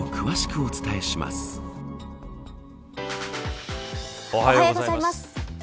おはようございます。